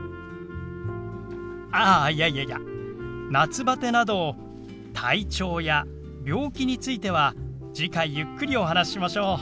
あいやいやいや「夏バテ」など体調や病気については次回ゆっくりお話ししましょう。